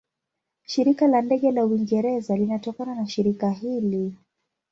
Shirika la Ndege la Uingereza linatokana na shirika hili.